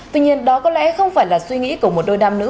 tuy nhiên đó có lẽ không phải là suy nghĩ của một đôi nam nữ